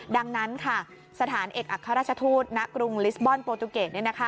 ดังนั้นค่ะสถานเอกอัครราชทูตณกรุงลิสบอลโปรตูเกต